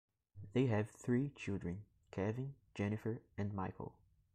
They have three children: Kevin, Jennifer and Michael.